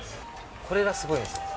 これがすごいんですよ。